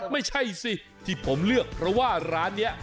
ไม่ใช่สิที่ผมเลือกเพราะว่าร้านนี้